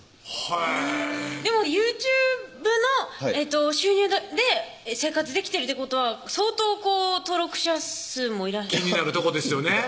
へぇでもＹｏｕＴｕｂｅの収入で生活できてるってことは相当登録者数も気になるとこですよね